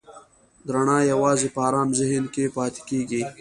رڼا یواځې په آرام ذهن کې پاتې کېږي.